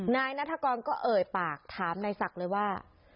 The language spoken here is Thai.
นายนัฐกรก็เอ่ยปากถามนายศักดิ์เลยว่า